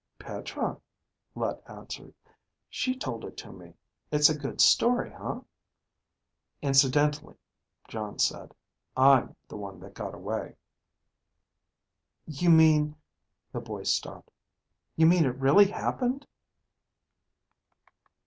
"Petra," Let answered. "She told it to me. It's a good story, huh?" "Incidentally," Jon said. "I'm the one that got away." "You mean?" The boy stopped. "You mean it really happened?"